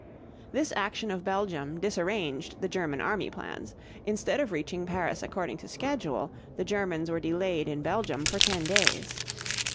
This action of Belgium disarranged the German army plans; instead of reaching Paris according to schedule, the Germans were delayed in Belgium for ten days.